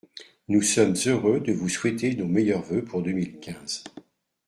Nous sommes heureux de vous souhaiter nos meilleurs vœux pour deux mille quinze.